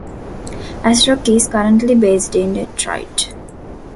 Asrock is currently based in Detroit.